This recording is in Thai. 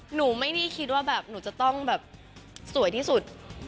หนูไม่ได้คิดว่าแบบหนูจะต้องแบบสวยที่สุด